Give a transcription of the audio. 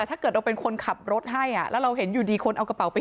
ถ้าเกิดเราเป็นคนขับรถให้แล้วเราเห็นอยู่ดีคนเอากระเป๋าไป